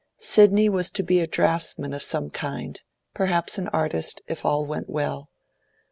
Sidney was to be a draughtsman of some kind; perhaps an artist, if all went well.